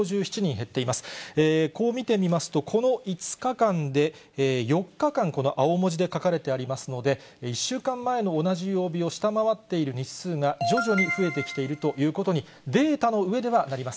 こう見てみますと、この５日間で、４日間、この青文字で書かれてありますので、１週間前の同じ曜日を下回っている日数が、徐々に増えてきているということに、データの上ではなります。